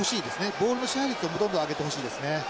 ボールの支配率をどんどん上げてほしいですね。